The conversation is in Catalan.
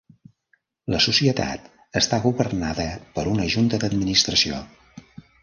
La Societat està governada per una junta d'administració.